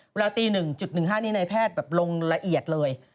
เวลาตี๑๑๕นี้นายแพทย์แบบลงละเอียดเลย